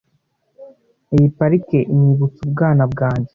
Iyi parike inyibutsa ubwana bwanjye.